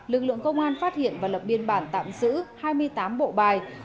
lực lượng công an phát hiện và lập biên bản tạm giữ hai mươi tám bộ bài